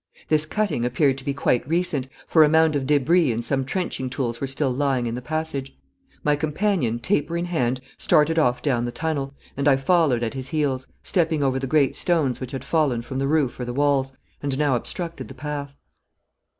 This cutting appeared to be quite recent, for a mound of debris and some trenching tools were still lying in the passage. My companion, taper in hand, started off down the tunnel, and I followed at his heels, stepping over the great stones which had fallen from the roof or the walls, and now obstructed the path.